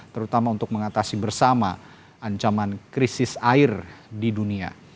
terutama untuk mengatasi bersama ancaman krisis air di dunia